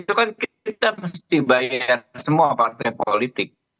itu kan kita mesti bayar semua partai politik